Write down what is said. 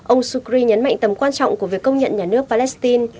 ông sukri nhấn mạnh tầm quan trọng của việc công nhận nhà nước palestine